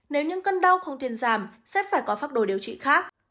nếu những cân đau không tuyên giảm sếp phải có pháp đồ điều trị khác